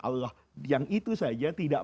allah yang itu saja tidak